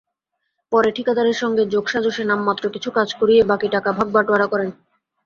পরে ঠিকাদারের সঙ্গে যোগসাজশে নামমাত্র কিছু কাজ করিয়ে বাকি টাকা ভাগ-বাঁটোয়ারা করেন।